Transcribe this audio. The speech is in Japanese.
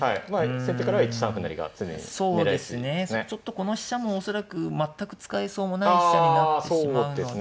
この飛車も恐らく全く使えそうもない飛車になってしまうので。